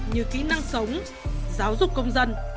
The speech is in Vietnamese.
như kỹ năng sống giáo dục công dân